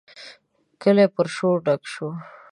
کلی پر شور ډک شو.